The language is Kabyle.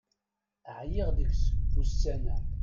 Ɛyiɣ deg-s ussan-a.